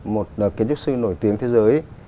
một kiến trúc sư nổi tiếng thế giới